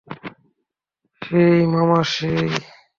সেই মামা সেই!